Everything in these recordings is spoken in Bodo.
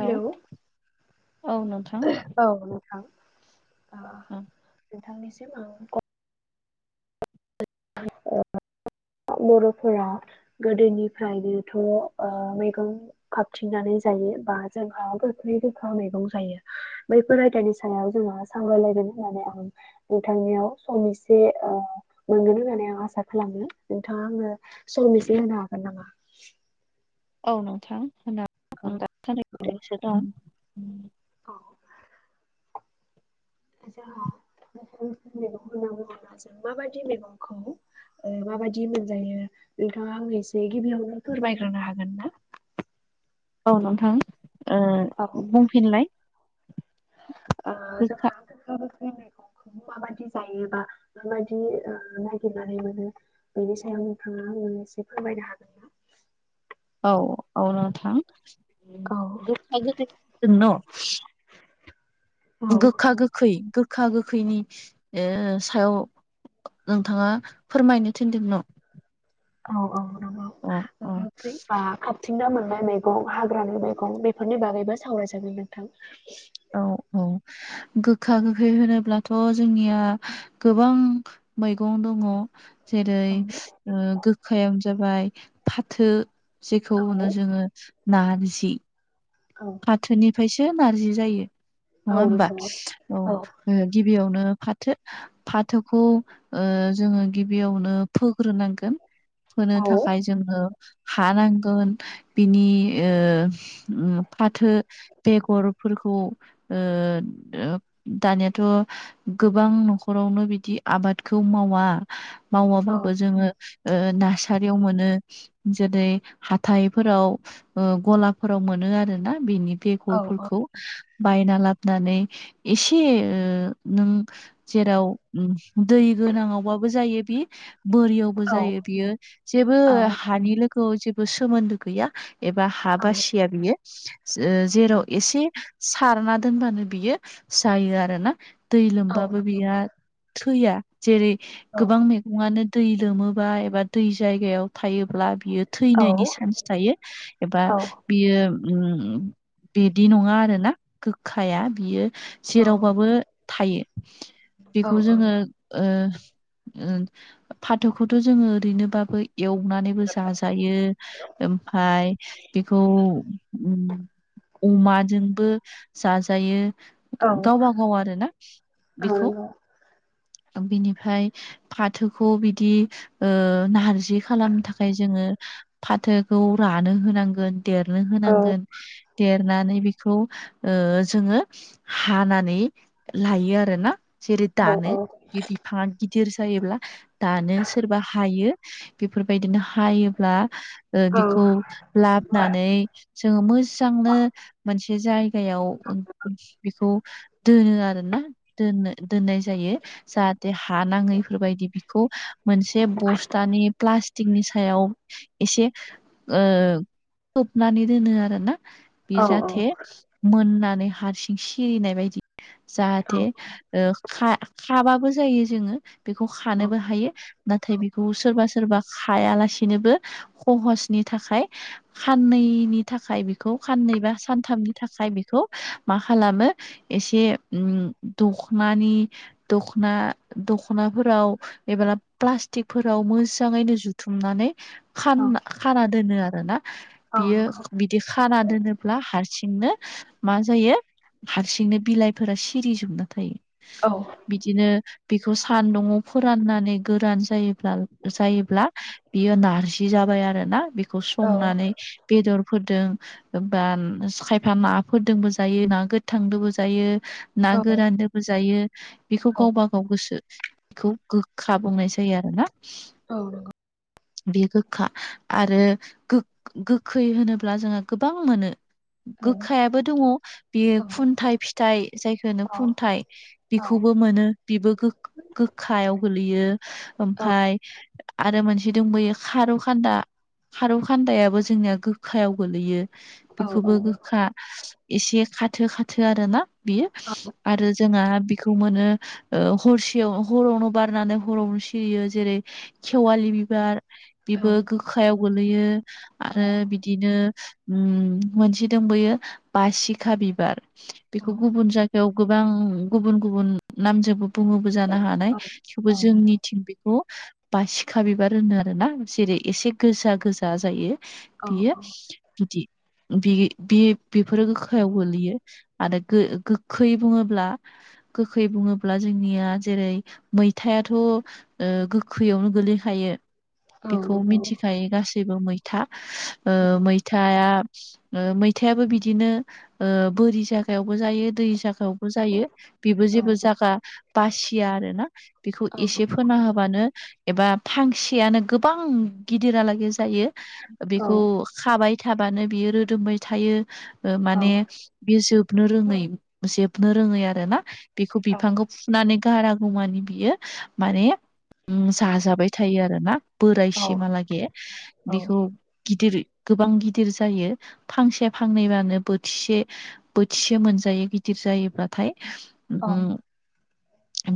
हेलौ आ नोंथां । औ ओं थांनिसै। [unintelligible] [unintelligible] बर'फोरा गोदोनिफ्रायनोथ' ओ मैगं खाबथिंनानै जायो बा जोंहा गोख्रै गोखा मैगं जायो बैफोर आयदानि सायाव जोंहा सांग्रायलाय होननानै नानै नोंथांनियाव सम इसे ओ मोनगोन होननानै आं आसा खालामो नोंथाङा आंनो सम एसे होनो हागोन नामा? औ नोंथां होनना औ [unintelligible] औ जोंहा मैगं होनना बुङोब्ला जों माबायदि मैगंखौ ओ माबायदि मोनजायो नोंथाङा आं एसे गिबियावनो फोरमायग्रोनो हागोन ना? [inaudible] औ नोंथां ओ बुंफिनलाय । ओ [unintelligible] माबादि जायोबा माबाददि ओ नागिरनानै मोनो बेनि सायाव नोंथां [unintelligible] फोराबायनो हागोनना? औ औ नोंथां औ गोखा गोदै [unintelligible] औ गोखा गोखै गोखा गोखैनि ओ सायाव नोंथाङा फोरमायनो थिनदों न'? औ औ अ अ थिंनो मोन्नाय मैगं हाग्रानि मैगं बेफोरनि बागैबो सावरायजागोन नोंथां । औ औ गो खा गोखै होनोब्लाथ' जोंनिया गोबां मैगं दङ' जेरै औ ओ गोखायानो जाबाय फाथो जेखौ होनो औ जोङो नारजि । औ फाथोनिफ्रायसो नारजि जायो औ नङा होमबा नंगौ औ म गिबियाव नो फाथो फाथोखौ ओ जोङो गिबियावनो फोग्रोनांगोन फोनो औ थाखाय जोङो हानांगोन बिनि ओ उम फाथो बेगरफोरखौ ओ ओ दानियाथ' गोबां न'खरावनो बिदि आबादखौ मावा औ मावाबाबो जोङो ओ नारसारियाव मोनो । जेरै हाथाइफोराव ओ गलाफोराव मोनो आरोना बिनि औ औ बेगरफोरखौ बायना ला नानै एसे ओ नों जेराव दै गोनाङावबा जायो बि बोरियावबो औ जायो बियो जेबो औ हानि लोगोआव जेबो सोमोन्दो गैया एबा हा औ बासिया बियो ओ जेराव एसे सारना दोनबानो बियो जायो आरोना। दै औ लोमबाबो बिहा थैया जेरै गोबां मैगङानो दै लोमोबा एबा दै जायगायाव थायोब्ला बियो थैनायनि चान्स थायो एबा बियो बिदि नङा आरोना गोखाया बियो जेरावबाबो थायो बेखौ जोङो ओ ओ फाथोखौथ' जोङो ओरैनोबाबो एवनानैबो जाजायो ओमफ्राय बेखौ अमाजोंबो जाजायो। गावबा गाव आरोना बेखौ बिनिफ्राय फाथोखौ बिदि नारजि खालामनो थाखाय जोङो फाथोखौ रानो होनांगोन देरनो होनांगोन। देरनानै बेखौ जोङो हानानै लायो आरोना जेरै दानो बे बिफाङा गि दिर जायोब्ला दानो सोरबा हायो बेफोरबायदिनो हायोब्ला बिखौ लाबोनानै जोङो मोजांनो मोनसे जायगायाव बेखौ दोनो आरोना दोननाय जायो जाहाथे हा नाङैफोरबायदि बेखौ मोनसे बस्तानि फ्लास्टिक नि सायाव एसे खोबनानै दोनो आरो ना बे जाहाथे मोननानै हारसिं सिरिनाय बायदि जाहाथे खाबाबो जायो जोङो। बेखौ खानोबो हायो नाथाय बेखौ सोरबा सो रबा खायालासेनोबो सहसनि थाखाय साननैनि थाखाय बेखौ साननै बा सानथामनि थाखाय बेखौ मा खालामो एसे दख'नानि दख'ना दख'फोराव एबा प्लास्टिक फोराव मोजाङैनो जुथुमनानै खाना दोनो आरो ना बियो बिदि खाना दोनोब्ला हारसिंनो मा जायो हारसिंनो बिलाइफोरा सिरिजोबना थायो। बिदिनो बेखौ सानदुङआव फोराननानै गोरान जायो ब्ला बियो नारजि जाबाय आरोना बेखौ संनानै बेदर फोरदों बा खायफा ना फोरदोंबो जायो ना गोथांदोंबो जायो। ना गोरानदोबो जायो बेखौ गावबा गाव गोसो बेखौ गोखा बुंनाय जायो आरो ना औ नंगौ। बे गोखा आरो गोखै होनोब्ला जोङो गोबां मोनो। गोखायाबो दङ बेयो खुन्थाइ फिथाइ जायखौ होनो खुन्थाइ बेखौ मोनो बेबो गोखायाव गोलैयो ओमफ्राय आरो मोनसे दंबावो खारौ खान्दा खारौ खान्दायाबो जोंनिया गोखायाव गोलैयो। बेखौबो गोखा एसे खाथो खाथो आरोना बियो आरो जोंहा बेखौ मोनो हरसे हरावनो बारनानै हरावनो सिरियो जेरै खेवालि बिबार बेबो गोखायाव गोलैयो आरो बिदि नो मोनसे दंबावो बासिखा बिबार बेखौ गुबुन जायगायाव गोबां गुबुन गुबुन नामजोंबो बुङोबो जानो हानाय थेवबो जोंनिथिं बेखौ बासिखा बिबार होनो आरोना जेरै एसे गोजा गोजा जायो। बियो बिदि बि बे बेफोरो गोखायाव गोलैयो आरो गोखै बुङोब्ला गोखै बुङोब्ला जोंनिया जेरै मैथायाथ' गोखैयावनो गोलैखायो। बेखौ मिथिखायो गासैबो मैथा ओ मैथा मैथायाबो बिदिनो बोरि साखायावबो जायो दै जागायाव जायो बेबो जेबो जायागा बासिया आरोना बेखौ एसे फोना होबानो। एबा फांसेयानो गोबां गिदिरलागै जायो बेखौ खाबाय थाबानो बियो रोदोमबाय थायो औ माने बेयो जोबनो रोङै जे जोबनो रोङै आरो ना बेखौ बिफांखौ फुनानै गाराागुमानि बियो माने जाजाबाय थायो आरो ना। बोराय औ औ सिमालागे औ बेखौ गिदिर गोबां गिदिर जायो फांसे फांनैबानो बोथिसे-बोथिसे मोनजा यो गदिर जायोब्लाथाय औ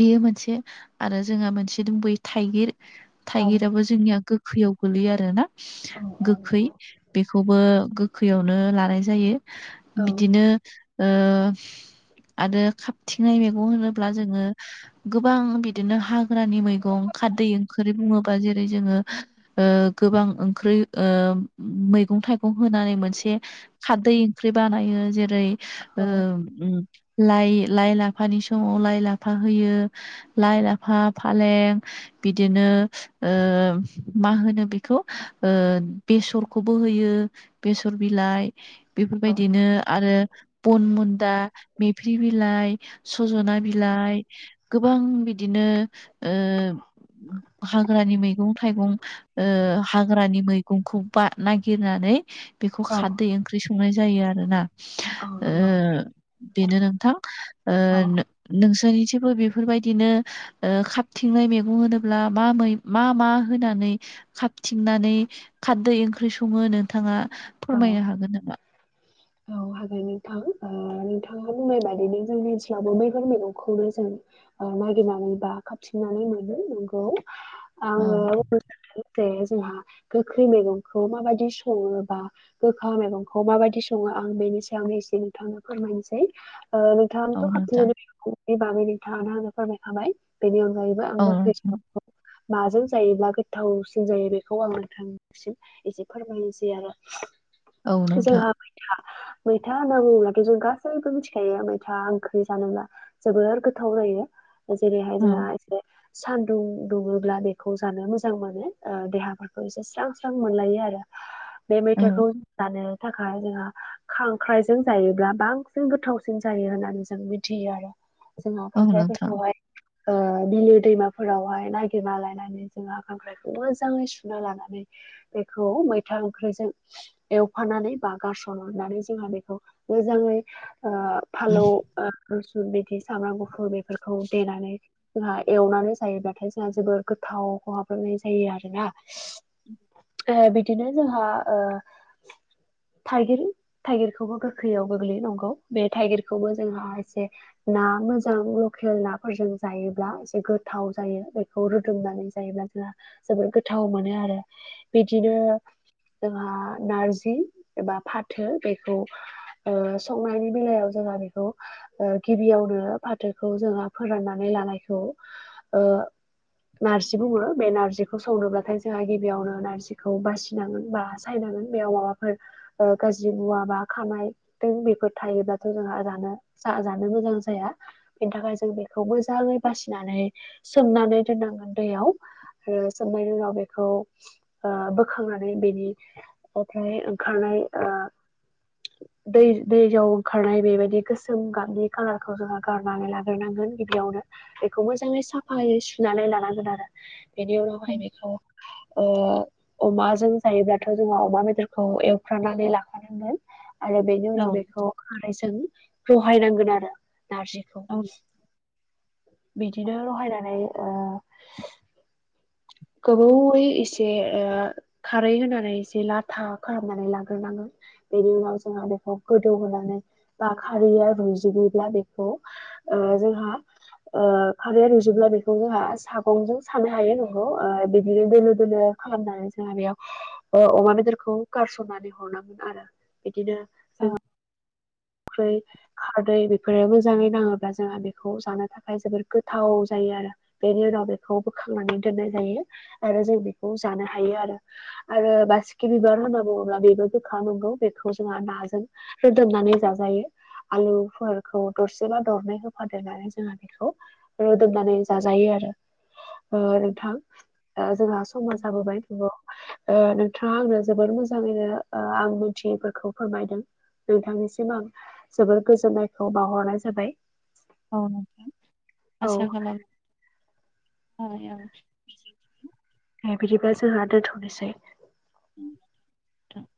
बेयो मोनसे आरो जोंहा मोनसे दंबोयो औ थाइगिर-थाइगिराबो जोंनिया गोखैयाव गोलैयो आरो ना औ गोखै बेखौबो गोखैयावनो लानाय जायो औ बिदिनो ओ आरो खाबथिंनाय मैगं होनोब्ला जोंङो गोबां बिदिनो हाग्रानि मैगं खारदै ओंख्रि बुङोबा जेरै जोंङो गोबां ओंख्रै ओ मैगं थाइगं होनानै मोनसे खारदै ओंख्रि बानायो जेरै ओ औ लाय-लाय लाफानि समाव लाइ लाफा होयो लाय लाफा फालें बिदिनोओ मा होनो बेखौ बेसरखौबो होयो बेसर बिलाइ औ बेफोरबायदिनो आरो बन मुन्दा मेफ्रि बिलाइ सज'ना बिलाइ गोबां बिदिनो ओ हाग्रानि मैगं थाइगं ओ हाग्रानि मै गंखौ बा नागिरनानै बेखौ खारदै ओंख्रि संनाय जायो आरो ना। ओ नंगौ बेनो नोंथां ओ औ नों सोनिथिबो बेफोरबायदिनो ओ खाबथिंनाय मैगं होनोब्ला मा मा मा होना नै खाबथिंनानै खारदै ओंख्रि संङो नोंथाङा औ फोरमायनो हागोन नामा? औ हागोन नोंथां नोंथाङा बुंनाय बाददिनो जोंनि ओनसोलावबो मैगंफोर मैगंखौनो जों नागिरनानै बा खाबथिंनानै मोनो नंगौ औ आंङो जे जोंहा गोखै मैगंखौ माबायदि संङोबा गोखा मैगंखौ माबायदि संङो आं बेनि सायावनो एसे नोंथांनो फोरमायनोसै ओ औ नोंथाङथ' नोंथां खाबथिंनानै बै मेगंनि बागै नोंथाङानो आंनो फोरमायखाबाय बेनि अन गायैबो आं औ गोखै नोंथां माजों जायोब्ला गोथावसिन जायो बेखौ आं नोंथांनिसिम एसे फोरमायनोसै आरो। औ नोंथां जोंहाबै दा मैथा होनना बुङोब्लाथ' जों गासैबो मिथिखायो मैथा ओंख्रि जानोब्ला जोबोर गोथाव जा यो जेरैहाय औ जोंहा जे सानदुं दुंङोब्ला बेखौ जानो मोजां मोनो देहाफोरखौ एसे स्रां स्रां मोनलायो आरो। बे औ मैथाखौ जानो थाखाय जोंहा खांख्राइजों जायोब्ला बांसिन गोथावसिन जायो होननानै जों मिथियो आरो जोंहा औ नोंथां खांख्रायफोरखौहाय ओ बिलो दैमाफोरावहाय नागिरना लायनानै जोंङो खांख्रायखौ मोजाङै सुना लानानै बेखौ मैथा ओं ख्रिजों एवफानानै बा गारसननानै जोंहा बेखौ मोजाङै ओ फालौओ बिदि सामब्राम गुफुर बेफोरखौ देनानै जोंहा एवनानै जायोब्लाथाय जोंहा जोबोर गोथाव खहाबनाय जायो आरोना बिदिनो जोंहा ओ थाइगिर-थाइगिरखौबो गोखैयाव गोग्लैयो नंगौ बे थाइगिरखौबो जोंहा एसे ना मोजां लकेल नाफोरजों जायोब्ला एसे गोथाव जायो बेखौ रोदोमनानै जायोब्ला जोबोर गोथाव मोनो आरो बिदिनो जोंहा नारजि एबा फाथो बेखौ ओ संनायनि बेलायाव जोंहा बेखौ गिबियावनो फाथोखौ जोंहा फोराननानै लानायखौ ओ नारजि बुंङो बे नारजिखौ संनोब्लाथाय जोंहा गिबियावनो नारजिखौ बासि नांगोन बा सायनांगोन बेयाव माबाफोर ओ गाज्रि मुवा बा‌ खानायदों बेफोर थायोबा थ' जोंहा जानो जानो मोजां जाया बेनि थाखाय जों बेखौ मोजाङै बासिनानै सोमनानै दोननांगोन दैयाव आरो सोमनायनि उनाव बेखौ ओ बो खांनानै बेनि फ्राय ओंखारनाय ओ दै दैयाव ओंखारनाय बेबायदि गोसोम गाबनि खालारखौ जोंङो गारनानै लाग्रोनांगोन गिबियावनो बेखौ मोजाङै साफायै सुनानै लानांगोन आरो। बेनि उनावहाय उम। बेखौ ओ अमाजों जायोब्लाथ' जोङो अमा बेदरखौ एवफ्रानानै लाखानांगोन। आरो बेनि औ उनाव बेखौ खारैजों बहायनांगोन आरो नारजिखौ। औ बिदिनो रहायनानै ओ गोबावै एसे ओ खारै होनानै एसे लाथा खालामनानै लाग्रोनांगौ। बेनि उनाव जोंहा बेखौ गोदौहोनानै बा खारैया रुयजोबोब्ला बेखौ ओ जोंहा ओ खारैया रुयजोबब्ला बेखौ जोंहा सागंजों सानो हायो बिदिनो दोलो दोलो खालामनानै जोंहा बेयाव ओ अमा बेदरखौ गारसनानै हर नांगोन आरो बिदिनो औ ख्रै खारदै बेफोरबो मोजाङै नाङोब्ला जानो जोंहा बेखौ जानो थाखाय जोबोर गोथाव जायो आरो बेनि उनाव बेखौ बोखांनानै दोननाय जायो आरो जों बेखौ जानो हायो आरो। आरो बासिकि बिबार होनना बुङोब्ला बेबो गोखा नांगौ बेखौ जोंहा नाजों रोदोमनानै जाज जायो आलुफोरखौ दरसेबा दरनै होफादेरनानै जोङो बेखौ रुदोमनानै जाजायो आरो ओ नोंथां जोंहा समा जाबोबाय नंगौ ओ नोंथाङा आंनो जोबोर मोजाङैनो ओ आं मोनथियैफोरखौ फोरमायदों। नोंथांनिसिम आं जोबोर गोजोननायखौ बावहरनाय जाबाय। औ नोंथां औ आसा खालाम थाबाय औ दे बिदिबा जोंहा दोन्थ'नोसै। नोंथां